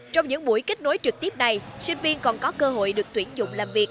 trong những buổi kết nối trực tiếp này sinh viên còn có cơ hội được tuyển dụng làm việc